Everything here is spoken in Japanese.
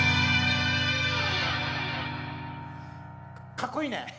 かっこいいね。